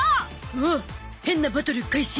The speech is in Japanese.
おっ変なバトル開始